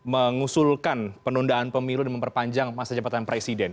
mengusulkan penundaan pemilu dan memperpanjang masa jabatan presiden